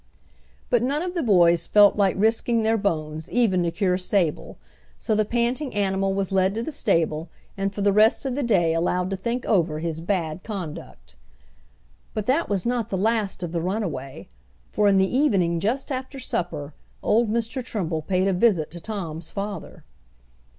But none of the boys felt like risking their bones even to cure Sable, so the panting animal was led to the stable and for the rest of the day allowed to think over his bad conduct. But that was not the last of the runaway, for in the evening just after supper old Mr. Trimble paid a visit to Tom's father.